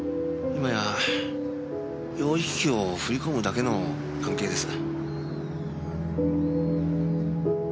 今や養育費を振り込むだけの関係です。